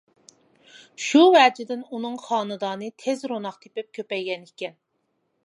شۇ ۋەجىدىن ئۇنىڭ خانىدانى تېز روناق تېپىپ كۆپەيگەنىكەن.